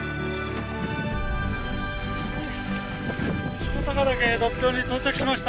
西穂高岳独標に到着しました。